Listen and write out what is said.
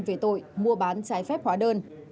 về tội mua bán trái phép hóa đơn